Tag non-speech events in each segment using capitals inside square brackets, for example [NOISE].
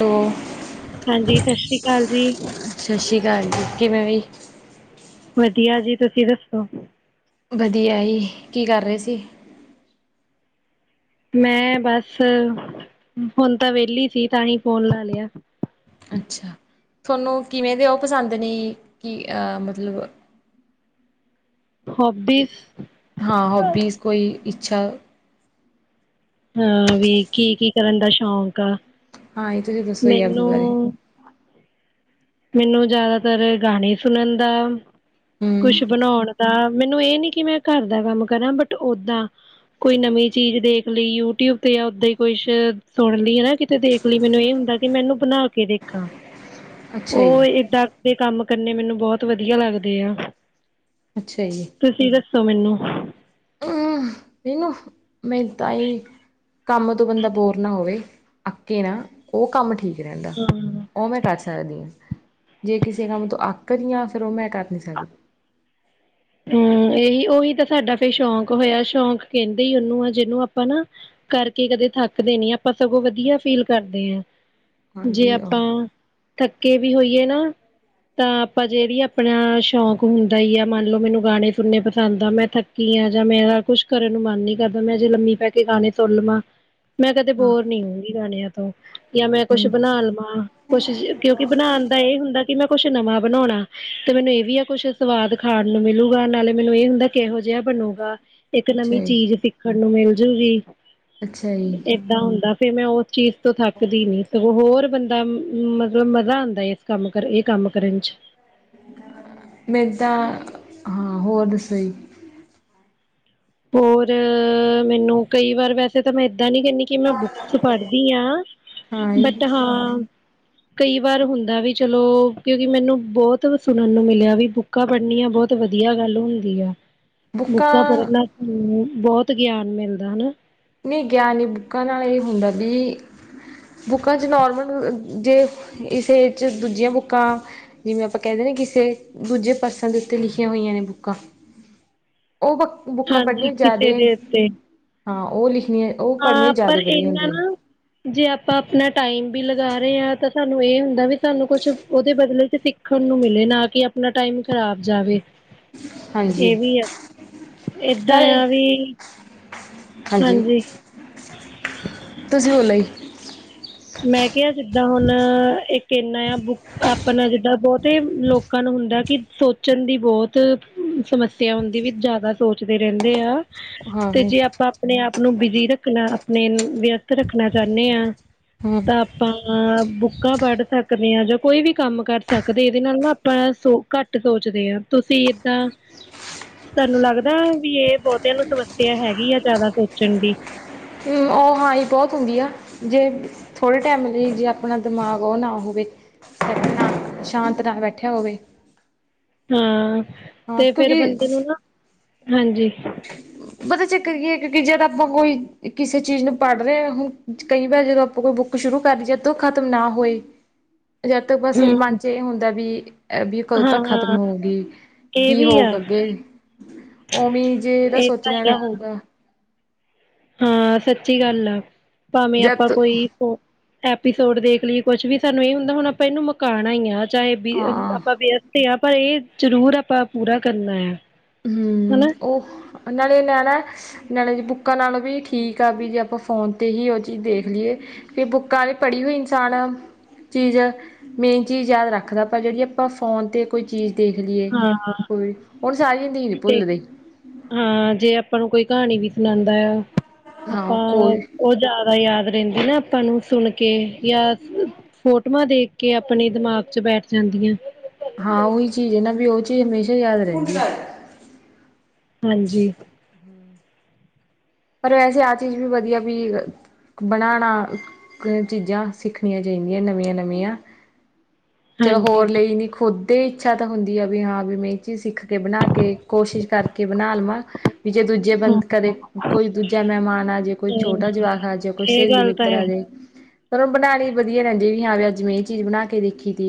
ਔ ਹਾਂਜੀ, ਸ਼ਸ਼ ਸ਼੍ਰੀ ਕਾਲ ਜੀ ਸਤਿ ਸ਼੍ਰੀ ਅਕਾਲ ਜੀ ਕਿਵੇਂ ਵੀ। ਵਧੀਆ ਜੀ, ਤੁਸੀਂ ਦੱਸੋ? ਵਧੀਆ ਸੀ, ਕੀ ਕਰ ਰਹੇ ਸੀ? ਮੈਂ ਬਸ ਹੁਣ ਤਾਂ ਵਿਹਲੀ ਸੀ, ਤਾਂਹੀ ਫੋਨ ਲਾ ਲਿਆ। ਅੱਛਾ, ਤੁਹਾਨੂੰ ਕਿਵੇਂ ਦੇ ਉਹ ਪਸੰਦ ਨੇ ਕਿ ਆ ਮਤਲਬ ਹੋਬਿਸ ਹਾਂ ਹੋਬੀਜ਼ ਕੋਈ ਇੱਛਾ ਹਾਂ ਵੀ ਕੀ-ਕੀ ਕਰਨ ਦਾ ਸ਼ੌਕ ਆ, ਹਾਂ ਇਹ ਤੁਸੀਂ ਦੱਸੋ ਜੀ ਆਪਦੇ ਬਾਰੇ ਮੈਨੂੰ ਮੈਨੂੰ ਜ਼ਿਆਦਾਤਰ ਗਾਣੇ ਸੁਣਨ ਦਾ ਕੁਛ ਹੂੰ ਬਣਾਉਣ ਦਾ, ਮੈਨੂੰ ਇਹ ਨੀ ਕਿ ਮੈਂ ਘਰ ਦਾ ਕੰਮ ਕਰਾਂ, ਬਟ ਓਦਾਂ ਕੋਈ ਨਵੀਂ ਚੀਜ਼ ਦੇਖ ਲਈ ਯੂਟਿਊਬ ਤੇ ਜਾਂ ਉਓਦਾਂ ਹੀ ਕੁਛ ਸੁਣ ਲਈ ਹਨਾ ਕਿਤੇ ਦੇਖ ਲੀ ਮੈਨੂੰ ਇਹ ਹੁੰਦਾ ਕਿ ਮੈਂ ਇਹਨੂੰ ਬਣਾ ਕੇ ਦੇਖਾਂ। ਅੱਛਾ ਜੀ ਉਹ ਏਦਾਂ ਦੇ ਕੰਮ ਕਰਨੇ ਮੈਨੂੰ ਬਹੁਤ ਵਧੀਆ ਲੱਗਦੇ ਆ। ਅੱਛਾ ਜੀ। ਤੁਸੀਂ ਦੱਸੋ ਮੈਨੂੰ? ਹਮ, ਮਨੂੰ ਮੇ ਤਾਂਈ ਕੰਮ ਤੋਂ ਬੰਦਾ ਬੋਰ ਨਾ ਹੋਵੇ, ਅੱਕੇ ਨਾ ਉਹ ਕੰਮ ਠੀਕ ਰਹਿੰਦਾ, ਹਾਂ। ਉਹ ਮੈਂ ਕਰ ਸਕਦੀ ਹਾਂ ਜੇ ਕਿਸੇ ਕੰਮ ਤੋਂ ਅੱਕ ਗਈ ਆ ਫੇਰ ਉਹ ਮੈਂ ਕਰ ਨੀ ਸਕ ਹੂੰ ਏਹੀ ਓਈ ਤਾਂ ਸਾਡਾ ਫੇਰ ਸ਼ੌਕ ਹੋਇਆ ਸ਼ੌਂਕ ਕੇਂਦੇ ਈ ਓਨੂੰ ਆ ਜਿਨੂੰ ਆਪਾਂ ਨਾ ਕਰਕੇ ਕਦੇ ਥੱਕਦੇ ਨੀ ਆਪਾਂ ਸਗੋਂ ਵਧੀਆ ਫੀਲ ਕਰਦੇ ਆਂ। ਜੇ ਹਾਂਜੀ ਉਹ ਆਪਾਂ ਥੱਕੇ ਵੀ ਹੋਈਏ ਨਾ ਤਾਂ ਆਪਾਂ ਜੇੜੀ ਆਪਣਾ ਸ਼ੌਕ ਹੁੰਦਾ ਈ ਆ ਮਨ ਚ ਮੈਨੂੰ ਗਾਨੇ ਸੁਣੇ ਪਸੰਦ ਆ ਮੈਂ ਥੱਕੀ ਆਂ ਜਾਂ ਮੇਰਾ ਕੁੱਛ ਕਰਨ ਨੂੰ ਮਨ ਨੀ ਕਰਦਾ ਮੈਂ ਜੇ ਲੰਮੀ ਪੈ ਕੇ ਗਾਨੇ ਸੁਣ ਲਵਾਂ ਮੈਂ ਕਦੇ ਹਾਂ ਬੋਰ ਨੀ ਹੋਊਗੀ ਗਾਨੇਆਂ ਤੋਂ ਜਾਂ ਮੈਂ ਕੁਛ ਹੂੰ ਬਣਾ ਲਵਾਂ ਕੁਛ ਕਿਉਂਕਿ ਬਣਾਣ ਦਾ ਏ ਹੁੰਦਾ ਕਿ ਮੈਂ ਕੁਛ ਨਵਾਂ ਬਣਉਣਾ ਤੇ ਮੈਨੂੰ ਏ ਵੀ ਆ ਕੁਛ ਸਵਾਦ ਖਾਣ ਨੂੰ ਮਿਲੂਗਾ ਨਾਲੇ ਮੈਨੂੰ ਏ ਹੁੰਦਾ ਕਿ ਕੇਹੋ ਜੇਹਾ ਬਣੂਗਾ ਇੱਕ ਅੱਛਾ ਨਵੀਂ ਜੀ, ਚੀਜ਼ ਸਿ ਸਾਨੂੰ ਮਿਲਜੂਗੀ, ਅੱਛਾ ਜੀ, ਏਦਾਂ ਹੁੰਦਾ ਫੇਰ ਮੈਂ ਓ ਚੀਜ਼ ਤੋਂ ਥੱਕਦੀ ਨੀ ਸਗੋਂ ਹੋਰ ਬੰਦਾ ਮਤਲਬ ਮਜ਼ਾ ਆਂਦਾ ਏ ਏਸ ਕੰਮ ਕਰਨ ਏ ਕੰਮ ਕਰਨ ਚ। ਮੇਦਾ ਤਾਂ ਹਾਂ ਹੋਰ ਦੱਸੋ ਇ। ਹੋਰ ਮੈਨੂੰ ਕਈ ਵਾਰ ਵੈਸੇ ਤਾਂ ਮੈਂ ਏਦਾਂ ਨੀ ਕੈਨੀ ਕਿ ਮੈਂ ਬੁੱਕਸ ਪੜ੍ਹਦੀ ਆ ਹਾਂ ਜੀ, ਬਟ ਹਾਂ ਕਈ ਵਾਰ ਹੁੰਦਾ ਵੀ ਚਲੋ ਕਿਉਂਕਿ ਮੈਨੂੰ ਬੋਹਤ ਸੁਣਨ ਨੂੰ ਮਿਲਿਆ ਵੀ ਬੁੱਕ ਕਾਂ ਪੜ੍ਹਨੀਆਂ ਬੋਤ ਵਧੀਆ ਗੱਲ ਹੁੰਦੀ ਆ। ਬੁੱਕਾਂ ਪੜ੍ਹਨ ਨਾਲ ਬੋਹਤ ਗਿਆਨ ਮਿਲਦਾ ਨਾ ਨਈ ਗਿਆਨ ਨੀ ਬੁੱਕਾਂ ਨਾਲ ਏ ਹੁੰਦਾ ਬੀ ਬੁੱਕਾਂ ਚ ਨੋਾਰਮਲ ਜੇ ਇਸ ਏਜ ਚ ਦੂਜੀਆਂ ਬੁੱਕਾ ਜਿਵੇਂ ਆਪਾਂ ਕੈਂਦੇ ਨੇ ਕਿਸੇ ਦੂਜੇ ਪਰਸਨ ਦੇ ਉੱਤੇ ਲਿਖੀਆਂ ਹੋਈਆਂ ਨੇ ਬੁੱਕਾਂ ਓ ਬ ਬੁੱਕਾਂ ਹਾਂਜੀ ਪੜ੍ਹਨੀਆਂ ਕਿਸੇ ਜਯਾਦੇ ਦੇ ਉੱਤੇ ਓ ਲਿਖਣੀ ਐ ਹਾਂ ਪਰ ਏਨਾ ਨਾ ਜੇ ਆਪਾਂ ਅਪਣਾ ਟਾਈਮ ਵੀ ਲਗਾ ਰੇ ਆਂ ਤਾਂ ਸਾਨੂੰ ਏ ਹੁੰਦਾ ਵੀ ਸਾਨੂੰ ਕੁਛ ਓਦੇ ਬਦਲੇ ਚ ਸਿ- ਖਣ ਨੂੰ ਮਿਲੇ ਨਾ ਕਿ ਅਪਣਾ ਟਾਈਮ ਖ਼ਰਾਬ ਜਾਵੇ। ਹਾਂਜੀ ਏ ਵੀ ਐ ਏਦਾਂ ਨਾਲੇ ਯਾ ਵੀ ਹਾਂਜੀ ਤੁਸੀਂ ਬੋਲੋ ਈ ਮੈਂ ਕੇਆ ਜਿੱਦਾਂ ਹੁਣ ਇੱਕ ਏਨਾ ਆ ਬੁੱਕ ਆਪਣਾ ਜਿੱਦਾਂ ਬੋਹਤੇ ਲੋਕਾਂ ਨੂੰ ਹੁੰਦਾ ਕਿ ਸੋਚਣ ਦੀ ਬੋਤ ਸਮੱਸਿਆ ਹੁੰਦੀ ਵੀ ਜਾਦਾ ਸੋਚਦੇ ਰੈੰਦੇ ਆ। ਹਾਂ ਤੇ ਜੇ ਆਪਾਂ ਆਪਣੇ ਆਪ ਨੂੰ ਬਿਜੀ ਰਖਨਾ ਅਪਣੇ ਨੂੰ ਵਿਅਸਤ ਰੱਖਣਾ ਚਾਨੇ ਆ ਹਾਂ ਤਾਂ ਆਪਾਂ ਅ ਬੁੱਕਾਂ ਪੜ੍ਹ ਸਕਦੇ ਆ ਜਾਂ ਕੋਈ ਵੀ ਕੰਮ ਕਰ ਸਕਦੇ ਏਦੇ ਨਾਲ ਨਾ ਆਪਾਂ ਸੋ ਕੱਟ ਸੋਚਦੇ ਆ ਤੁਸੀਂ ਏਦਾਂ ਤਾਨੂੰ ਲੱਗਦਾ ਵੀ ਏ ਬੋਹਤਿਆਂ ਨੂੰ ਸਮੱਸਿਆ ਹੈਗੀ ਆ ਜਾਦਾ ਸੋਚਣ ਦੀ ਹੂੰ ਓ ਹਾਂ ਈ ਬੋਤ ਹੁੰਦੀ ਆ ਜੇ ਥੋੜ੍ਹੇ ਟੈਮ ਲਈ ਜੇ ਅਪਣਾ ਦਿਮਾਗ ਓ ਨਾ ਹੋਵੇ ਅਪਣਾ ਸ਼ਾਂਤ ਨਾ ਬੈਠਿਆ ਹੋਵੇ। ਹਾਂ ਹਾਂ ਤੇ ਫਿਰ ਕਿਉਂਕਿ ਬੰਦੇ ਨੂੰ ਨਾ ਹਾਂਜੀ ਪਤਾ ਚੱਕਰ ਕੀ ਏ ਕਿਉਂਕਿ ਜਦ ਆਪਾਂ ਕੋਈ ਕਿਸੇ ਚੀਜ਼ ਨੂੰ ਪੜ੍ਹ ਰਹੇ ਆ ਓ ਕਈ ਵਾਰ ਜਦੋਂ ਆਪਾਂ ਕੋਈ ਬੁੱਕ ਸ਼ੁਰੂ ਕਰ ਜੇ ਤੇ ਓ ਖ਼ਤਮ ਨਾ ਹੋਏ [INAUDIBLE] ਜਦ ਤੱਕ ਬਸ ਮਨ ਹਮ ਚ ਏ ਹੁੰਦਾ ਬੀ ਐ ਬੀ ਕਦੋਂ ਤੱਕ ਹਾਂ ਖਤਮ ਹੋਊਗੀ। ਇਹ ਕੀ ਵੀ ਆ ਹੋਉਗਾ ਅੱਗੇ ਓਵੇ ਈ ਜੇ ਏਦਾ ਸੋਚ ਏਦਾਂ ਲਯਾ ਹੀ ਨਾ ਆ ਹੋਊਗਾ ਹਾਂ ਸੱਚੀ ਗੱਲ ਆ ਭਾਵੇਂ ਆਪਾਂ ਜਦ ਕੋਈ ਓ ਐਪੀਸੋਡ ਦੇਖ ਲਈ ਏ, ਕੁੱਛ ਵੀ ਸਾਨੂੰ ਏਹ ਹੁੰਦਾ ਹੁਣ ਆਪਾਂ ਏਹਨੂੰ ਮਕਾਣਾ ਈ ਆ, ਚਾਹੇ ਬੀ ਅ ਹਾਂ ਆਪਾਂ ਬੀ ਤੇ ਆਪਾਂ ਏਹ ਜ਼ਰੂਰ ਆਪਾਂ ਪੂਰਾ ਕਰਨਾ ਆ। ਹਮ ਹਨਾ ਉਹ ਨਾਲੇ ਨਆਣਾ ਏ ਨਾਲੇ ਜੀ ਬੁੱਕਾਂ ਨਾਲੋਂ ਵੀ ਠੀਕ ਆ ਬੀ ਜੇ ਅਪਾਂ ਫ਼ੋਨ ਤੇ ਹੀ ਉਹ ਚੀਜ਼ ਦੇਖ ਲੀਏ। ਫਿਰ ਬੁੱਕਾਂ ਦੀ ਪੜ੍ਹੀ ਹੋਈ ਇਨਸਾਨ ਚੀਜ਼ ਮੇਨ ਚੀਜ਼ ਯਾਦ ਰੱਖਦਾ ਪਰ ਜੇਹੜੀ ਆਪਾਂ ਫੋਨ ਤੇ ਕੋਈ ਚੀਜ਼ ਦੇਖ ਲਈਏ ਹਾਂ ਕੋਈ, ਹੁਣ ਸਾਰੀਆਂ ਰੀਲ ਤੇ ਭੁੱਲ ਰਈ। ਹਾਂ ਜੇ ਆਪਾਂ ਨੂੰ ਕੋਈ ਕਹਾਣੀ ਵੀ ਸੁਣਾਂਦਾ ਆਯਾ ਹਾਂ ਆਪਾਂ ਕੋਈ ਉਹ ਜਾਏਦਾ ਯਾਦ ਰੇਹੰਦੀ ਨਾ ਅਪਾਂ ਨੂੰ ਸੁਣ ਕੇ ਯਾਂ ਫੋਟੋਵਾਂ ਦੇਖ ਕੇ ਅਪਣੇ ਦਿਮਾਗ ਚ ਬੈਠ ਜਾਂਦੀਆਂ। ਹਾਂ ਓਹੀ ਚੀਜ਼ ਏ ਨਾ ਵੀ ਉਹ ਚੀਜ਼ ਹਮੇਸ਼ਾ ਯਾਦ ਰੇਹੰਦੀ ਏ। ਹਾਂਜੀ। ਪਰ ਵੈਸੇ ਆਹ ਚੀਜ਼ ਵੀ ਵਧੀਆ ਵੀ ਬਨਾਣਾ ਚੀਜ਼ਾਂ ਸਿੱਖਣੀਆਂ ਚਾਹੀਦੀਆਂ ਨਵੀਆਂ-ਨਵੀਆਂ ਚਲੋ ਹੋਰ ਹਾਂਜੀ ਲਈ ਨੀ ਖੁਦ ਤੇ ਇੱਛਾ ਤਾਂ ਹੁੰਦੀ ਆ ਵੀ ਹਾਂ ਵੀ ਮੈਂ ਏਹ ਚੀਜ਼ ਸਿੱਖ ਕੇ ਬਣਾ ਕੇ ਕੋਸ਼ਿਸ਼ ਕਰਕੇ ਬਣਾ ਲਵਾਂ। ਵੀ ਜੇ ਦੂਜੇ ਬੰਦ ਕਰੇ ਕੋਈ ਦੂਜਾ ਮੇਹਮਾਨ ਆ ਜੇ, ਕੋਈ ਛੋਟਾ ਜਵਾਕ ਆ ਜੇ, ਕੋਈ ਇਹ ਸੇਲੀ ਗੱਲ ਤਾਂ ਮਿੱਤਰ ਹੈ ਆ ਜੇ। ਪਰ ਉਹ ਬਣਾਨੀ ਵਧੀਆ ਰੇਹੰਦੀ ਵੀ ਹਾਂ ਵੀ ਅੱਜ ਮੈਂ ਏਹ ਚੀਜ਼ ਬਣਾ ਕੇ ਦੇਖੀ ਤੀ।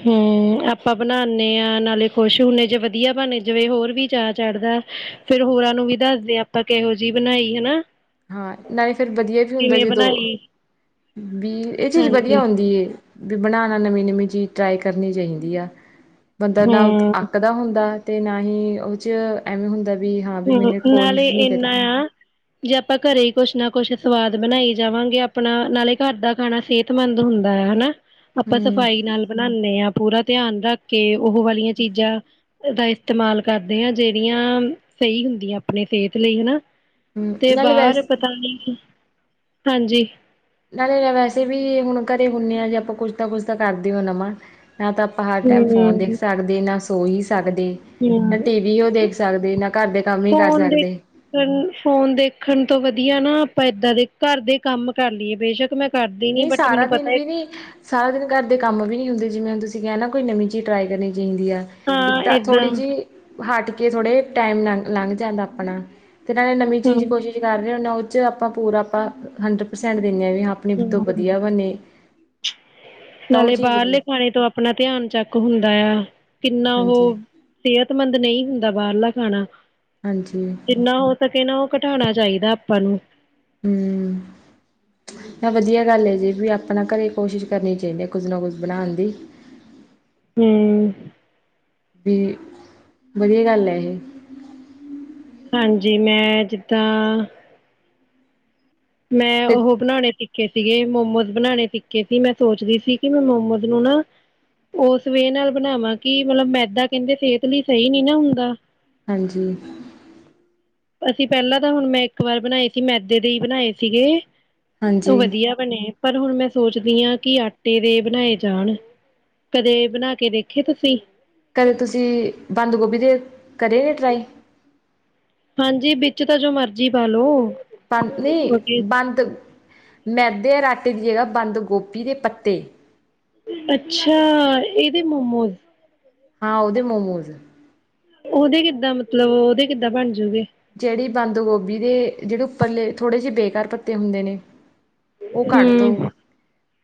ਹਮ ਆਪਾਂ ਬਣਾਨੇ ਆਂ, ਨਾਲੇ ਖੁਸ਼ ਹੁੰਨੇ ਜੇ ਵਧੀਆ ਬਣੇ ਜਿਵੇਂ ਹੋਰ ਵੀ ਚਾਅ ਚੜ੍ਹਦਾ। ਫਿਰ ਹੋਰਾਂ ਨੂੰ ਵੀ ਦੱਸਦੇ ਆਪਾਂ ਕੇਹੋ ਜਿਹੀ ਬਣਾਈ ਹਨਾ? ਹਾਂ ਨਾਲੇ ਫਿਰ ਵਧੀਆ ਵੀ ਹੁੰਦਾ ਕਿਵੇਂ ਜਿਦੋਂ ਬਣਾਈ ਬੀ ਏਹ ਚੀਜ਼ ਵਧੀਆ ਹਾਂਜੀ ਹੁੰਦੀ ਏ। ਬੀ ਬਣਾਨਾ ਨਵੀਂ-ਨਵੀਂ ਚੀਜ਼ ਟਰਾਏ ਕਰਨੀ ਚਾਈਦੀ ਆ। ਬੰਦਾ ਨਾਓਥ ਹੂੰ ਆਕ ਦਾ ਹੁੰਦਾ ਏ, ਤੇ ਨਾ ਹੀ ਉਹ ਚ ਐਵੇਂ ਹੁੰਦਾ ਵੀ ਹਾਂ ਵੀ ਹਮ ਮੈਨੇ ਨਾਲੇ ਕੋਸ਼ਿਸ਼ ਨਹੀਂ ਕਰੀ ਏਨਾ ਆ ਜੇ ਆਪਾਂ ਕਰੇ ਈ ਕੁਛ ਨਾ ਕੁਛ ਸਵਾਦ ਬਣਾਈ ਜਾਵਾਂਗੇ ਅਪਣਾ ਨਾਲੇ ਕਾਰ ਦਾ ਖਾਣਾ ਸੇ ਤਮੰਦ ਹੁੰਦਾ ਹੈ ਹਨਾ? ਆਪਾਂ ਹੂੰ ਸਫ਼ਾਈ ਨਾਲ ਬਣਾਨੇ ਆਂ, ਪੂਰਾ ਤੇਆਨ ਰਾਖ ਕੇ ਉਹ ਵਾਲੀਆਂ ਚੀਜ਼ਾਂ ਦਾ ਇਸਤੇਮਾਲ ਕਰਦੇ ਆਂ ਜੇਹੜੀਆਂ ਸਈ ਹੁੰਦੀਆਂ ਅਪਣੇ ਫੇਥ ਲਈ ਹਨਾ? ਹੂੰ ਤੇ ਨਾਲੇ ਬਾਹਰ ਵੈਸੇ ਪਤਾ ਨਹੀਂ, ਹਾਂਜੀ। ਨਾਲੇ ਏਹ ਵੈਸੇ ਵੀ ਹੁਣ ਕਰੇ ਹੁੰਣੇ ਆਂ ਜੇ ਆਪਾਂ ਕੁਛ ਨਾ ਕੁਛ ਤਾਂ ਕਰਦੇ ਹੋ ਨਵਾਂ, ਨਾ ਤਾਂ ਹਾਰ ਟੈਮ ਫ਼ੋਨ ਦੇਖ ਹੂੰ, ਸਕਦੇ ਨਾ ਸੋ ਈ ਸਕਦੇ। ਨਾ ਹੂੰ ਟੀ ਵੀ ਉਹ ਦੇਖ ਸਕਦੇ, ਨਾ ਕਾਰ ਦੇ ਕੰਮ ਹੀ ਕਰ ਫੋਨ ਦੇ ਸਕਦੇ। [UNINTELLIGIBLE] ਫੋਨ ਦੇਖਣ ਤੋਂ ਵਧੀਆ ਨਾ ਆਪਾਂ ਏਦਾਂ ਦੇ ਕਾਰ ਦੇ ਕੰਮ ਕਰ ਲਈਏ ਬੇਸ਼ੱਕ ਮੈਂ ਕਰਦੀ ਨੀ, ਨਹੀਂ ਬਟ ਸਾਰਾ ਮੈਨੂੰ ਦਿਨ ਪਤਾ ਏ ਵੀ ਨੀ ਸਾਰਾ ਦਿਨ ਕਾਰ ਦੇ ਕੰਮ ਵੀ ਨਹੀਂ ਹੁੰਦੇ, ਜਿਵੇਂ ਹੁਣ ਤੁਸੀਂ ਕੇਹਾ ਨਾ ਕੋਈ ਨਵੀਂ ਚੀਜ਼ ਟਰਾਈ ਕਰਨੀ ਚਾਹੀਦੀ ਆ। ਇੱਕ ਹਾਂ ਤਾਂ ਏਦਾਂ ਥੋੜ੍ਹੀ ਜਿਹ ਹਾਟ ਕੇ ਥੋੜੇ ਟਾਈਮ ਲੰ ਲੰਘ ਜਾਂਦਾ ਅਪਣਾ। ਤੇ ਨਾਲੇ ਨਵੀਂ ਚੀਜ਼ ਹੂੰ, ਕੋਸ਼ਿਸ਼ ਕਰ ਰਏ ਹੁਣੇ ਆ, ਉਹ ਚ ਆਪਾਂ ਪੂਰਾ ਆਪਾਂ ਹੰਡਰਡ ਪਰਸੈਂਟ ਦਿੰਨੇ ਆਂ ਵੀ ਹਾ ਹਮ ਤਾਂ ਉਹ ਨਾਲੇ ਚੀਜ਼ ਬਾਹਰਲੇ ਖਾਣੇ ਤੋਂ ਅਪਣਾ ਤਿਆਨ ਚੈਕ ਹੁੰਦਾ ਆ, ਕਿੰਨਾ ਹਾਂਜੀ ਉਹ ਸੇਹਤਮੰਦ ਨਈ ਹੁੰਦਾ ਬਾਹਰਲਾ ਖਾਣਾ। ਹਾਂਜੀ। ਜਿੰਨਾ ਹੋ ਸਕੇ ਨਾ ਉਹ ਕਟਾਣਾ ਚਾਈਦਾ ਆਪਾਂ ਨੂੰ। ਹਮ। ਨਾ ਵਧੀਆ ਗੱਲ ਆ ਜੀ ਵੀ ਆਪਣਾ ਘਰੇ ਕੋਸ਼ਿਸ਼ ਕਰਨੀ ਚਾਈਦੀ ਕੁੱਝ ਨਾ ਕੁਝ ਬਣਾਉਣ ਦੀ। ਹੂੰ। ਵੀ ਵਧੀਆ ਗੱਲ ਆ ਇਹੇ। ਹਾਂਜੀ, ਮੈਂ ਜਿੱਦਾਂ। ਮੈਂ ਫਿਰ ਓਹੋ ਬਣਾਣੇ ਸੀ। ਸਿੱਖੇ ਸੀਗੇ ਮੋਮੋਜ਼ ਬਣਾਣੇ ਸਿੱਖੇ ਸੀ ਮੈਂ ਸੋਚ ਰਹੀ ਸੀ ਕਿ ਮੈਂ ਮੋਮੋਜ਼ ਨੂੰ ਨਾ ਉਸ ਵੇਹ ਨਾਲ ਬਣਾਵਾਂ ਕਿ ਮਤਲਬ ਮੈਦਾ ਕਹਿੰਦੇ ਸਿਹਤ ਲਈ ਸਹੀ ਨੀ ਹੁੰਦਾ ਹਾਂਜੀ! ਅਸੀਂ ਪਹਿਲਾਂ ਤਾਂ ਹੁਣ ਮੈਂ ਇੱਕ ਵਾਰ ਬਣਾਏ ਸੀ ਮੈਦੇ ਦੇ ਹੀ ਬਣਾਏ ਸੀਗੇ ਓ ਹਾਂਜੀ। ਵਧੀਆ ਬਣੇ ਪਰ ਹੁਣ ਮੈਂ ਸੋਚਦੀ ਆ ਕਿ ਆਟੇ ਦੇ ਬਣਾਏ ਜਾਣ ਕਦੇ ਬਣਾ ਕੇ ਦੇਖੇ ਤੁਸੀਂ? ਕਦੇ ਤੁਸੀਂ ਬੰਦ ਗੋਭੀ ਦੇ ਕਰੇ ਨੇ ਟਰਾਈ ਹਾਂਜੀ, ਵਿੱਚ ਤਾਂ ਜੋ ਮਰਜੀ ਪਾਲੋ ਪਤ ਨਈ ਬੰਦ ਮੈਦੇ ਔਰ ਆਟੇ ਦੀ ਜਗ੍ਹਾ ਬੰਦ ਗੋਭੀ ਦੇ ਪੱਤੇ। ਅੱਛਾ! ਏਦੇ ਮੋਮੋਜ਼। ਹਾਂ ਉਦੇ ਮੋਮੋਜ਼। ਉਦੇ ਕਿੱਦਾਂ ਮਤਲਬ ਉਦੇ ਕਿੱਦਾਂ ਬਨਜੂਗੇ। ਜਿਹੜੀ ਬੰਦ ਗੋਭੀ ਦੇ ਜਿਹੜੇ ਉੱਪਰਲੇ ਥੋੜੇ ਜਿਹੇ ਬੇਕਾਰ ਪੱਤੇ ਹੁੰਦੇ ਨੇ। ਓ ਕੱਢ ਦੋ ਹਮ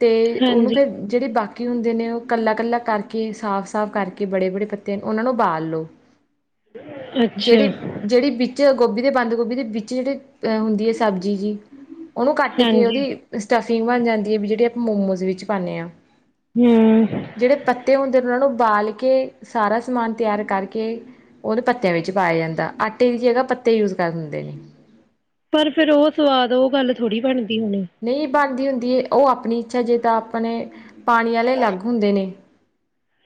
ਤੇ ਉਨੂੰ ਹਾਂਜੀ ਫੇਰ ਜੇੜੇ ਬਾਕੀ। ਹੁੰਦੇ ਨੇ ਓ ਕੱਲਾ-ਕੱਲਾ ਕਰਕੇ ਸਾਫ਼-ਸਾਫ਼ ਕਰਕੇ ਬੜੇ-ਬੜੇ ਪੱਤੇ ਉਨਾਂ ਨੂੰ ਬਾਲ ਲੋ। ਜੇੜੀ ਅੱਛਾ ਜੇੜੀ। ਵਿੱਚ ਗੋਭੀ ਦੇ ਬੰਦ ਗੋਭੀ ਦੇ ਵਿੱਚ ਜੇਹੜੀ ਅਹ ਹੁੰਦੀ ਆ ਸਬਜ਼ੀ ਜੀ ਉਨੂੰ ਕੱਟ ਕੇ ਹਾਂਜੀ ਉਦੀ। ਸਟਫਿੰਗ ਬਣ ਜਾਂਦੀ ਆ ਵੀ ਜਿਹੜੀ ਆਪਾਂ ਮੋਮੋਜ਼ ਵਿੱਚ ਪਾਂਨੇ ਆ। ਹੂੰ। ਜਿਹੜੇ ਪੱਤੇ ਹੁੰਦੇ ਨੇ ਉਨਾਂ ਨੂੰ ਬਾਲ ਕੇ ਸਾਰਾ ਸਮਾਨ ਤਿਆਰ ਕਰਕੇ ਉਦੇ ਪੱਤਿਆਂ ਵਿੱਚ ਪਾਇਆ ਜਾਂਦਾ ਆਟੇ ਦੀ ਜਗ੍ਹਾ ਪੱਤੇ ਯੂਜ ਕਰ ਦਿੰਦੇ ਨੇ। ਪਰ ਫੇਰ ਓ ਸਵਾਦ ਓ ਗੱਲ ਥੋੜ੍ਹੀ ਬਣਦੀ ਹੋਣੀ। ਨਈ ਜੀ ਬਣਦੀ ਹੁੰਦੀ ਆ ਜੀ ਓ ਆਪਣੀ ਇੱਛਾ ਜਿੱਦਾਂ ਆਪਣੇ। ਪਾਨੀ ਵਾਲੇ ਅਲੱਗ ਹੁੰਦੇ ਨੇ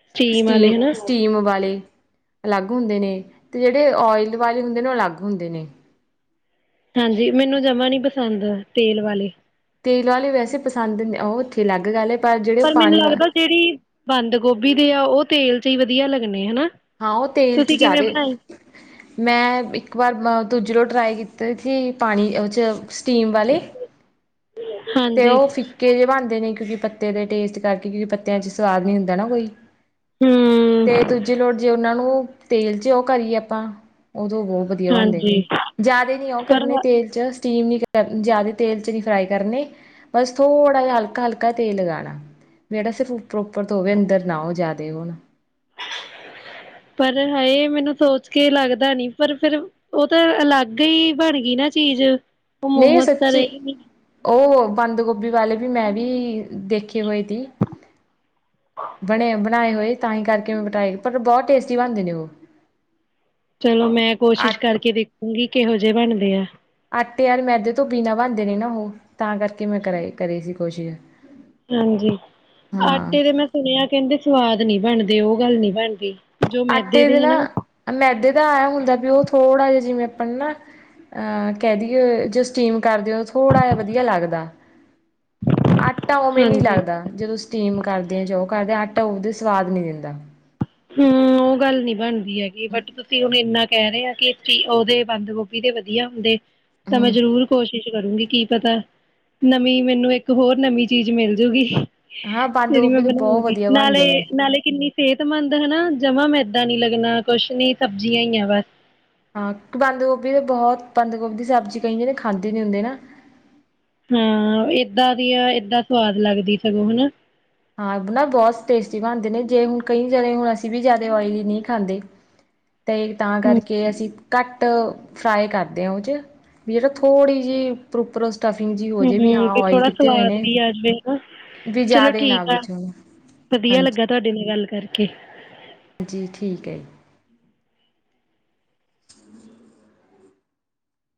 ਸਟੀਮ ਵਾਲੇ ਹਨਾ ਸਟੀਮ-ਸਟੀਮ ਵਾਲੇ। ਅਲੱਗ ਹੁੰਦੇ ਨੇ, ਤੇ ਜਿਹੜੇ ਓਇਲ ਵਾਲੇ ਹੁੰਦੇ ਨੇ ਓ ਅਲੱਗ ਹੁੰਦੇ ਨੇ। ਹਾਂਜੀ ਮੈਨੂੰ ਜਮਾ ਨੀ ਪਸੰਦ ਤੇਲ ਵਾਲੇ। ਤੇਲ ਵਾਲੇ ਵੈਸੇ ਪਸੰਦ ਨੇ ਓ ਓਥੇ ਅਲੱਗ ਗੱਲ ਆ ਪਰ ਮੈਨੂੰ ਲੱਗਦਾ ਜਿਹੜੀ ਬੰਦ ਗੋਭੀ ਦੇ ਆ ਓ ਤੇਲ 'ਚ ਹੀ ਵਧੀਆ ਲੱਗਣੇ ਹਨਾ ਹਾਂ, ਓ ਤੇਲ 'ਚ ਤੁਸੀਂ ਕਿਵੇਂ ਜ਼ਿਆਦੇ। ਬਣਾਈ ਮੈਂ ਇੱਕ ਵਾਰ ਦੂਜੇ ਲੋਟ ਟਰਾਈ ਕੀਤੇ ਸੀ ਪਾਣੀ 'ਚ ਸਟੀਮ ਵਾਲੇ ਤੇ ਹਾਂਜੀ ਓ ਫਿੱਕੇ ਜਿਹੇ ਬਣਦੇ ਨੇ ਕਿਉਂਕਿ ਪੱਤੇ ਦੇ ਟੇਸਟ ਕਰਕੇ ਕਿਉਂਕਿ ਪੱਤਿਆਂ 'ਚ ਸਵਾਦ ਨੀ ਹੁੰਦਾ ਨਾ ਕੋਈ ਹੂੰ ਤੇ ਦੂਜੀ ਲੋੜ ਜੇ ਉਨਾ ਨੂੰ ਤੇਲ 'ਚ ਓ ਕਰੀਏ ਆਪਾਂ ਉਦੋਂ ਬਹੁਤ ਵਧੀਆ ਬਣਦੇ ਨੇ ਹਾਂਜੀ ਜਿਆਦੇ ਨੀ ਓ ਪਰ ਕਰਨੇ ਤੇਲ 'ਚ ਸਟੀਮ ਨੀ ਜਿਆਦੇ ਤੇਲ 'ਚ ਨੀ ਫਰਾਈ ਕਰਨੇ ਬਸ ਥੋੜ੍ਹਾ ਜਿਹਾ ਹਲਕਾ-ਹਲਕਾ ਤੇਲ ਲਗਾਣਾ ਜੇਹੜਾ ਸਿਰਫ ਉਪਰ-ਉਪਰ ਤੋਂ ਹੋਵੇ ਅੰਦਰ ਨਾ ਓ ਜ਼ਿਆਦਾ ਹੋਨ ਪਰ ਹਾਏ ਮੈਨੂੰ ਸੋਚ ਕੇ ਲੱਗਦਾ ਨੀ ਪਰ ਫਿਰ ਓ ਤਾਂ ਅਲੱਗ ਹੀ ਬਣ ਗਈ ਨਾ ਚੀਜ਼ ਉਹ ਨਈ ਓ ਮੋਮੋਸ ਤਾਂ ਸੱਚੀ ਰਹੇ ਨੀ ਓ ਬੰਦ ਗੋਭੀ ਵਾਲੇ ਵੀ ਮੈਂ ਵੀ ਦੇਖੇ ਹੋਏ ਤੀ। ਬਣੇ ਬਣਾਏ ਹੋਏ ਤਾਂ ਹੀ ਕਰਕੇ ਮ ਬਿਟਏ ਪਰ ਬਹੁਤ ਟੇਸਟੀ ਬਣਦੇ ਨੇ ਉਹ ਚਲੋ ਮੈਂ ਆ ਕੋਸ਼ਿਸ਼ ਕਰਕੇ ਦੇਖੂਗੀ ਕਿਹੋ ਜਿਹੇ ਬਣਦੇ ਆ ਆਟੇ ਯਾਰ ਮੈਦੇ ਤੋਂ ਬੀਨਾ ਬਣਦੇ ਨੇ ਨਾ ਉਹ ਤਾਂ ਕਰਕੇ ਮੈਂ ਕਰ ਕਰੀ ਸੀ ਕੋਸ਼ਿਸ਼ ਹਾਂਜੀ ਹਾਂ। ਆਟੇ ਦੇ ਮੈਂ ਸੁਣਿਆ ਕਹਿੰਦੇ ਸਵਾਦ ਨੀ ਬਣਦੇ ਉਹ ਗੱਲ ਨੀ ਬਣਦੀ ਜੋ ਮੈਦੇ ਆਟੇ ਦੇ ਨਾ ਹਨਾ ਮੈਦੇ ਦਾ ਆਇਆ ਹੁੰਦਾ ਵੀ ਉਹ ਥੋੜ੍ਹਾ ਜਿਹਾ ਜਿਵੇਂ ਆਪਾਂ ਨਾ ਅਹ ਕਹਿ ਦਈਏ ਜੇ ਸਟੀਮ ਕਰਦੇ ਹੋ ਥੋੜ੍ਹਾ ਜਿਹਾ ਵਧੀਆ ਲੱਗਦਾ ਆਟਾ ਉਵੇਂ ਨਹੀਂ ਹਾਂਜੀ ਲੱਗਦਾ ਜਦੋਂ ਸਟੀਮ ਕਰਦੇ ਜਾਓ ਕਰਦੇ ਆਟਾ ਉਹਦੇ ਸਵਾਦ ਨੀ ਦਿੰਦਾ ਹਮ ਉਹ ਗੱਲ ਨੀ ਬਣਦੀ ਹੈਗੀ ਬਟ ਤੁਸੀਂ ਹੁਣ ਇੰਨਾ ਕਹਿ ਰਹੇ ਆ ਕਿ ਚੀ ਉਹਦੇ ਬੰਦ ਗੋਭੀ ਦੇ ਵਧੀਆ ਹੁੰਦੇ ਤਾਂ ਮੈਂ ਹੂੰ ਜ਼ਰੂਰ ਕੋਸ਼ਿਸ਼ ਕਰੂੰਗੀ ਕੀ ਪਤਾ ਨਵੀਂ ਮੈਨੂੰ ਇੱਕ ਹੋਰ ਨਵੀਂ ਚੀਜ਼ ਮਿਲਜੂਗੀ ਹਾਂ ਬੰਦ ਜਿਹੜੀ ਮੈ ਗੋਭੀ ਤਾਂ ਬਹੁਤ ਬਿਨਾਇਉਗੀ ਵਧੀਆ ਨਾਲੇ ਬਣਦੇ ਨੇ। ਨਾਲੇ ਕਿੰਨੀ ਸੰਬੰਦ ਹਨਾ ਜਮਾ ਮੈਦਾ ਨੀ ਲੱਗਣਾ ਕੁਛ ਨੀ ਸਬਜ਼ੀਆਂ ਹੀਈ ਆ ਬਸ ਹਾਂ ਬੰਦ ਗੋਭੀ ਤਾਂ ਬਹੁਤ ਬੰਦ ਗੋਭੀ ਦੀ ਸਬਜ਼ੀ ਕਈਆਂਦੇ ਖਾਂਦੇ ਨੀ ਹੁੰਦੇ ਨਾ ਹਾਂ ਏਦਾਂ ਦੀ ਆ ਏਦਾਂ ਸਵਾਦ ਲੱਗਦੀ ਸਗੋਂ ਹਨਾ ਹਾਂ ਨਾ ਬਹੁਤ ਟੇਸਟੀ ਬਣਦੇ ਨੇ ਜੇ ਹੁਣ ਕਈ ਜਣੇ ਹੁਣ ਅਸੀਂ ਵੀ ਜ਼ਿਆਦਾ ਆਇਲੀ ਨਹੀਂ ਖਾਂਦੇ ਹ ਅਤੇ ਤਾਂ ਕਰਕੇ ਅਸੀਂ ਘੱਟ ਫਰਾਈ ਕਰਦੇ ਹਾਂ ਉਹ 'ਚ ਵੀ ਜਿਹੜਾ ਥੋੜ੍ਹੀ ਜਿਹੀ ਉਪਰੋ ਉੱਪਰ ਉਸ ਸਟਫਿੰਗ ਜ ਹਮ ਤੇ ਥੋੜਾ ਸਵਾਦ ਵੀ ਆ ਜਾਵੇ ਹਨਾ ਵੀ ਚਲੋ ਜ਼ਿਆਦਾ ਨਾ ਠੀਕ ਵਿੱਚ ਹੋਣ ਵਧੀਆ ਹਾਂਜੀ ਲੱਗਾ ਤੁਹਾਡੇ ਨਾਲ ਗੱਲ ਕਰਕੇ ਹਾਂਜੀ ਠੀਕ ਹੈ ਜੀ